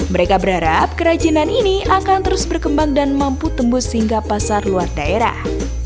mereka berharap kerajinan ini akan terus berkembang dan mampu tembus hingga pasar luar daerah